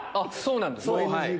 そうなんですね。